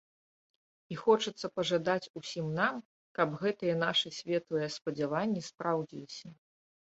І хочацца пажадаць усім нам, каб гэтыя нашыя светлыя спадзяванні спраўдзіліся.